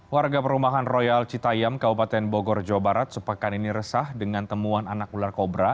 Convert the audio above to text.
warga perumahan royal citayam kabupaten bogor jawa barat sepekan ini resah dengan temuan anak ular kobra